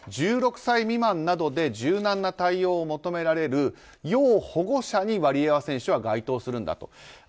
１６歳未満などで柔軟な対応を求められる要保護者にワリエワ選手は該当するんだと。